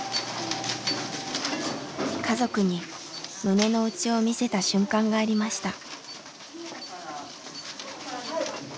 家族に胸の内を見せた瞬間がありました。